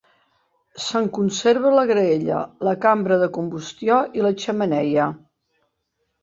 Se'n conserva la graella, la cambra de combustió i la xemeneia.